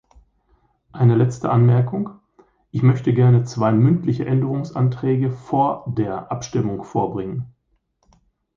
Eine letzte Anmerkung: Ich möchte gerne zwei mündliche Änderungsanträge vor der Abstimmung vorbringen.